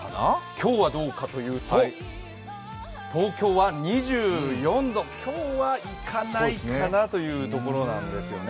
今日はどうかというと、東京は２４度、今日はいかないかなというところなんですよね